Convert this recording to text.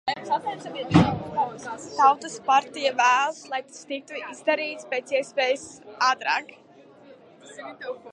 Tautas partija vēlas, lai tas tiktu izdarīts pēc iespējas ātrāk.